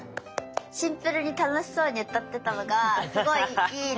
シンプルに楽しそうに歌ってたのがすごいいいなと思ってて。